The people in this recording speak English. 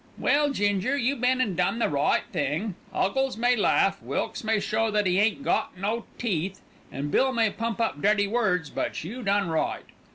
"Well, Ginger, you been an' done the right thing. 'Uggles may laugh, Wilkes may show that 'e ain't got no teeth, and Bill may pump up dirty words, but you done right.